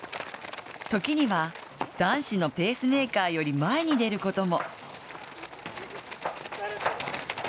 時には男子のペースメーカーより前に出ることも。